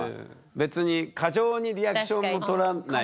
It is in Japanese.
別に過剰にリアクションもとらないし。